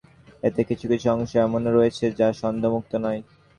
এতে কিছু কিছু অংশ এমনও রয়েছে যা সন্দেহমুক্ত নয়।